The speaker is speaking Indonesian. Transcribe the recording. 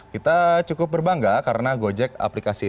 kita cukup berbangga karena gojek aplikasi